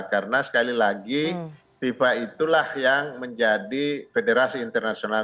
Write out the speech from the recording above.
karena sekali lagi viva itulah yang menjadi federasi internasional